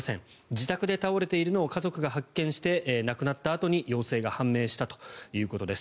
自宅で倒れているのを家族が発見して亡くなったあとに陽性が判明したということです。